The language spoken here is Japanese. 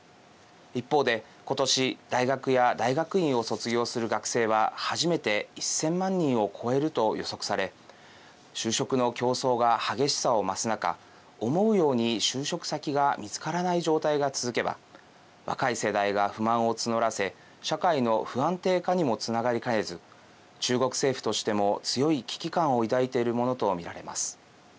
一方で、ことし大学や大学院を卒業する学生は初めて１０００万人を超えると予測され就職の競争が激しさを増す中思うように就職先が見つからない状態が続けば若い世代が不満を募らせ社会の不安定化にもつながりかねず中国政府としても強い危機感を抱いているものと見られます。